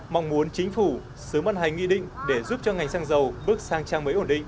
mong muốn chính phủ xứ mân hành nghị định để giúp cho ngành xăng dầu bước sang trang mới ổn định